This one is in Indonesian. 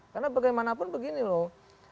karena bagaimanapun begini loh